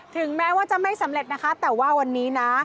ถึงแม้ว่าจะไม่สำเร็จนะคะแต่ว่าวันนี้นะ